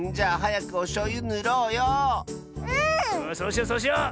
そうしようそうしよう！